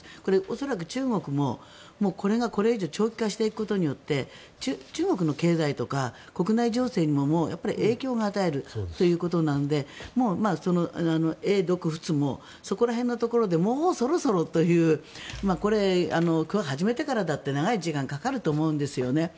恐らく中国もこれがこれ以上長期化していくことによって中国の経済とか国内情勢にも影響を与えるということなので英独仏もそこら辺のところでもうそろそろというこれは始めてからだって長い時間がかかると思うんですよね。